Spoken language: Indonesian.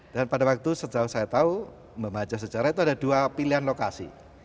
dan pada waktu sejauh saya tahu membaca sejarah itu ada dua pilihan lokasi